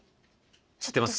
知ってますか？